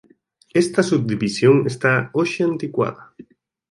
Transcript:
Esta subdivisión está hoxe anticuada.